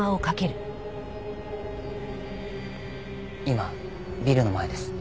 今ビルの前です。